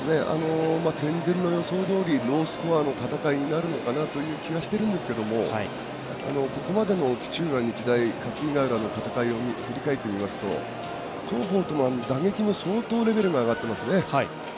戦前の予想どおりロースコアの戦いになるのかなという気はしてるんですけどもここまでの土浦日大、霞ヶ浦の戦いを振り返ってみますと双方とも打撃の相当レベルが上がってますね。